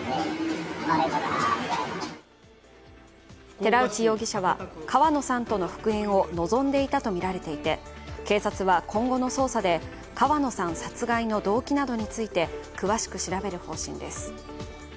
寺内容疑者は、川野さんとの復縁を望んでいたとみられていて警察は今後の捜査で川野さん殺害の動機などについて詳しく調べる方針です。